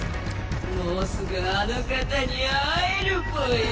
もうすぐ「あの方」に会えるぽよ！